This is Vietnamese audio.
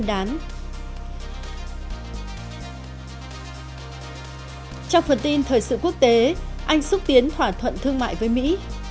anh xúc tiến thỏa thuận thương mại với mỹ